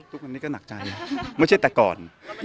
ทุกวันนี้ก็หนักใจนะไม่ใช่แต่ก่อน